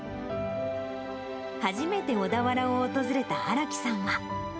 初めて小田原を訪れた荒木さんは。